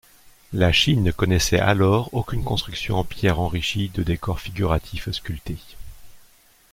La Chine ne connaissait alors aucune construction en pierre enrichie de décors figuratifs sculptés.